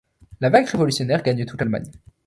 La vague révolutionnaire gagne toute l’Allemagne.